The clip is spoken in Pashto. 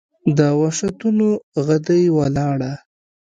د وحشتونو ، غدۍ وَلاړه